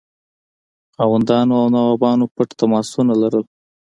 خانانو او نوابانو پټ تماسونه درلودل.